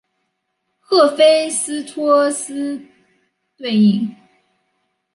赫菲斯托斯对应。